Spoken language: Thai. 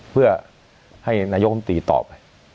เพื่อให้นายกรรมตรีตอบไป